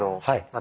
私